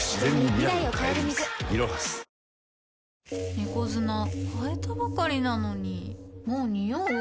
猫砂替えたばかりなのにもうニオう？